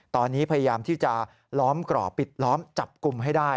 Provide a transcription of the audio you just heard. ตอนนี้พยายามที่จะล้อมกรอบปิดล้อมจับกลุ่มให้ได้